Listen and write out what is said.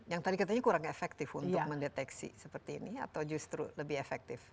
yang tadi katanya kurang efektif untuk mendeteksi seperti ini atau justru lebih efektif